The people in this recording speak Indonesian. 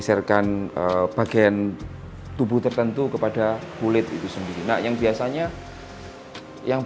saya takut sampai rokok itu dinyaskan